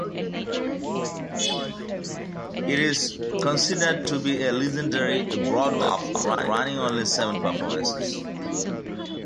It is considered to be a legendary Broadway flop, running only seven performances.